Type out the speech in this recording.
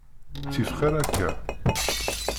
Ttif xir akka.